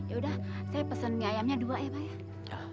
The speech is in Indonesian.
yaudah saya pesen mie ayamnya dua ya pak ya